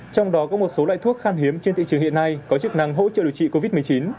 trong đó có một số loại thuốc khan hiếm trên thị trường hiện nay có chức năng hỗ trợ điều trị covid một mươi chín